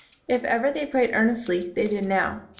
If ever they prayed earnestly they did now.